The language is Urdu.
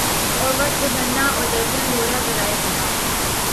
اور وقت گزرنا اور درجن دورہ ذرائع ہونا